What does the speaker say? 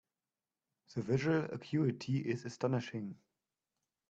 The visual acuity is astonishing.